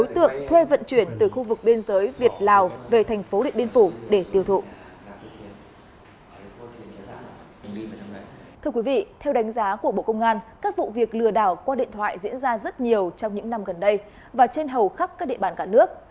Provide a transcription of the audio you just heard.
thưa quý vị theo đánh giá của bộ công an các vụ việc lừa đảo qua điện thoại diễn ra rất nhiều trong những năm gần đây và trên hầu khắp các địa bàn cả nước